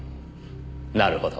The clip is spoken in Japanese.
なるほど。